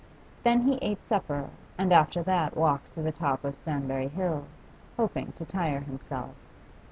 Then he ate supper, and after that walked to the top of Stanbury Hill, hoping to tire himself.